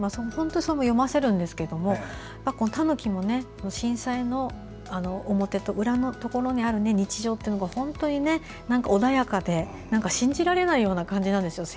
本当に読ませるんですが「たぬき」も震災の表と裏のところにある日常というのが本当に穏やかで信じられないような感じなんです